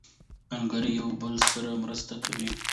ملګري یو بل سره مرسته کوي